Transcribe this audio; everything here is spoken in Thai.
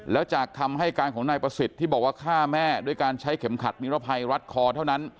แล้วจากคำให้การของนายประสิทธิ์ที่บอกว่าฆ่าแม่ด้วยการใช้เข็มขัดนิรภัยรัดคอเท่านั้น